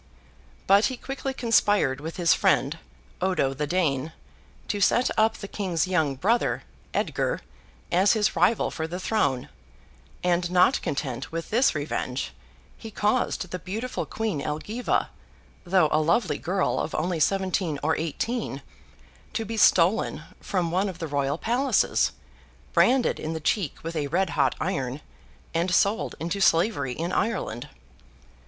But he quickly conspired with his friend, Odo the Dane, to set up the King's young brother, Edgar, as his rival for the throne; and, not content with this revenge, he caused the beautiful queen Elgiva, though a lovely girl of only seventeen or eighteen, to be stolen from one of the Royal Palaces, branded in the cheek with a red hot iron, and sold into slavery in Ireland.